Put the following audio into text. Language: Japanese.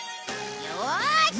よし！